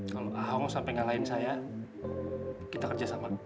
kalau ahong sampai ngalahin saya kita kerja sama